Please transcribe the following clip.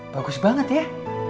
bagus banget ya